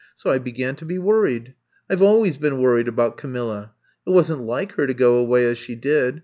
So I began to be worried. I Ve always been worried about Camilla. It wasn't like her to go away as she did.